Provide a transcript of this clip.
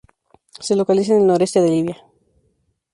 Se localiza en el noreste de Libia.